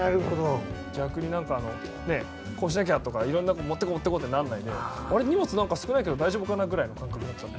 逆にこうしなきゃとかいろんなものを持っていこうってならないで荷物少ないけど大丈夫かなぐらいの感覚になっちゃって。